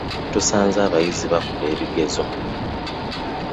Tusanze abayizi bakola bigezo.